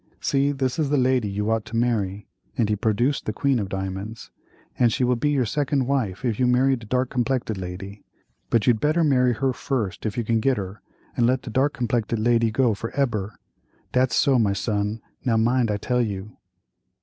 "See, this is the lady you ought to marry," and he produced the queen of diamonds; "and she will be your second wife if you do marry de dark complected lady, but you'd better marry her first if you can get her, and let de dark complected lady go for ebber; dat's so, my son, now mind I tell you."